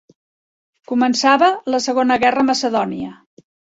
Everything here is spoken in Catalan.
Començava la segona guerra macedònia.